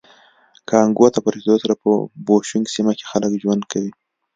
کانګو ته په رسېدو سره په بوشونګ سیمه کې خلک ژوند کوي